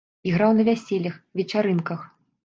Іграў на вяселлях, вечарынках.